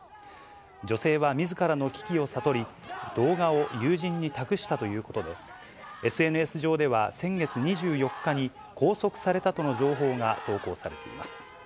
女性はみずからの危機を悟り、動画を友人に託したということで、ＳＮＳ上では、先月２４日に、拘束されたとの情報が投稿されています。